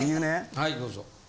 はいどうぞ。